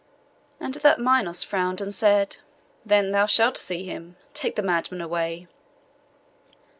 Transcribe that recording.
And at that Minos frowned, and said, 'Then thou shalt see him; take the madman away.